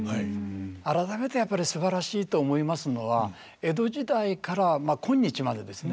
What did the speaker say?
改めてやっぱりすばらしいと思いますのは江戸時代からまあ今日までですね